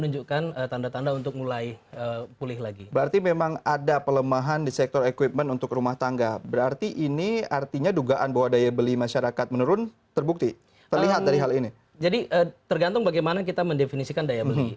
jadi itu tergantung bagaimana kita mendefinisikan daya beli